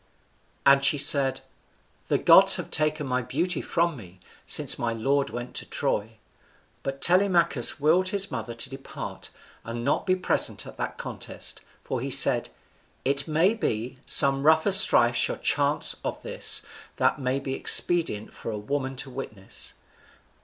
And she said, "The gods have taken my beauty from me, since my lord went for Troy." But Telemachus willed his mother to depart and not be present at that contest; for he said, "It may be, some rougher strife shall chance of this than may be expedient for a woman to witness."